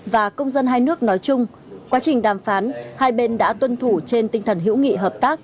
và công dân hai nước nói chung quá trình đàm phán hai bên đã tuân thủ trên tinh thần hữu nghị hợp tác